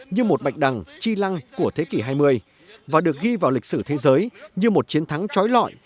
như một bạch đằng chi lăng của thế kỷ hai mươi và được ghi vào lịch sử thế giới như một chiến thắng trói lọi